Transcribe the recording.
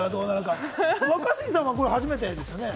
若新さんはこれ、初めてですよね？